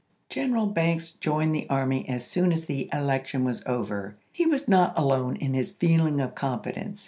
General Banks joined the army as soon as the election was over. He was not alone in his feeling of confidence.